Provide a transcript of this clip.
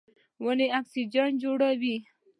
ونې اکسیجن جوړوي.